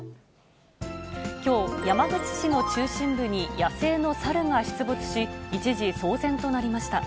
きょう、山口市の中心部に野生の猿が出没し、一時、騒然となりました。